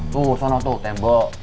tuh sono tuh tembok